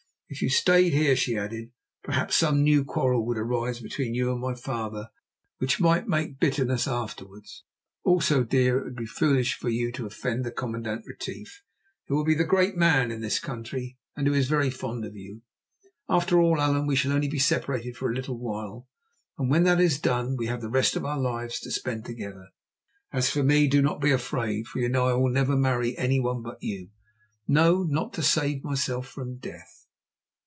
"If you stayed here," she added, "perhaps some new quarrel would arise between you and my father which might make bitterness afterwards. Also, dear, it would be foolish for you to offend the Commandant Retief, who will be the great man in this country, and who is very fond of you. After all, Allan, we shall only be separated for a little while, and when that is done we have the rest of our lives to spend together. As for me, do not be afraid, for you know I will never marry anyone but you—no, not to save myself from death."